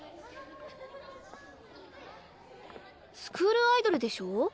スクールアイドルでしょ？